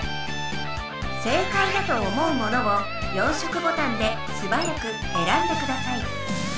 正解だと思うものを４色ボタンですばやくえらんでください。